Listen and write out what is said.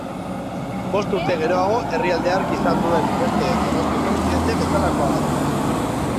Bost urte geroago, herrialde hark izan duen beste edozein presidente bezalakoa da.